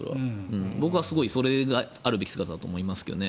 僕はすごいそれがあるべき姿だと思いますけどね。